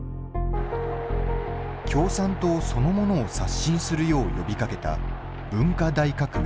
共産党そのものを刷新するよう呼びかけた文化大革命。